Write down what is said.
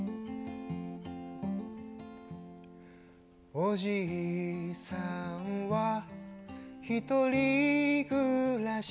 「おじいさんはひとり暮らし」